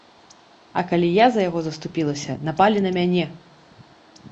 А калі я за яго заступілася, напалі на мяне.